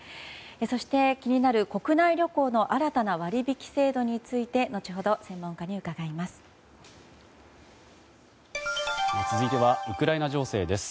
そして、気になる国内旅行の新たな割引制度について後ほど専門家に伺います。